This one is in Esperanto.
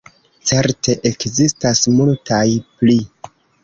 Certe ekzistas multaj pli.